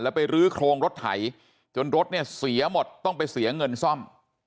ไปรื้อโครงรถไถจนรถเนี่ยเสียหมดต้องไปเสียเงินซ่อม